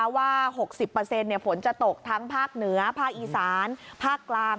ว่า๖๐ฝนจะตกทั้งภาคเหนือภาคอีสานภาคกลาง